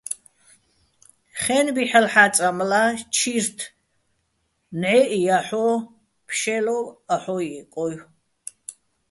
ხე́ნბი ჰ̦ალო̆ ჰ̦აწამლა, ჩირთ ნჵაჲჸ ჲაჰ̦ოჲ, ფშე́ლოვ აჰოჸ ჲე́კოჲო̆.